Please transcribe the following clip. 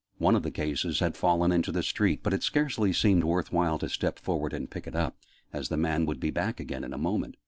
One of the cases had fallen into the street, but it scarcely seemed worth while to step forward and pick it up, as the man would be back again in a moment.